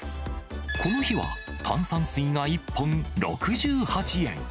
この日は炭酸水が１本６８円。